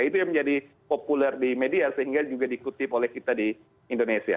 itu yang menjadi populer di media sehingga juga dikutip oleh kita di indonesia